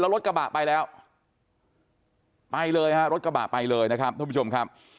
รถกระบะไปแล้วไปเลยฮะรถกระบะไปเลยนะครับท่านผู้ชมครับ